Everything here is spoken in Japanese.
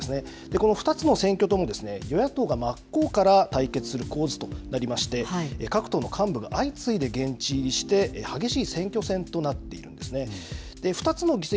この２つの選挙とも与野党が真っ向から対決する構図となりまして各党の幹部が相次いで現地入りして激しい選挙戦となっているんですね。